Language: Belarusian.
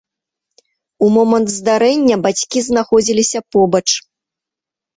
У момант здарэння бацькі знаходзіліся побач.